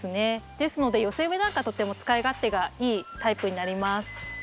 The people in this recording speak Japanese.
ですので寄せ植えなんかとても使い勝手がいいタイプになります。